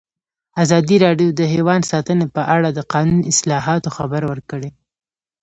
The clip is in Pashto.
ازادي راډیو د حیوان ساتنه په اړه د قانوني اصلاحاتو خبر ورکړی.